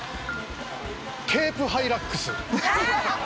ケープハイラックス。